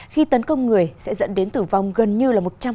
khi tấn công người sẽ dẫn đến tử vong gần như là một trăm linh